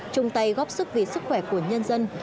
chung tay góp sức vì sức khỏe của nhân dân